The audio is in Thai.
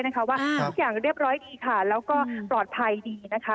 ทุกอย่างเรียบร้อยดีค่ะแล้วก็ปลอดภัยดีนะคะ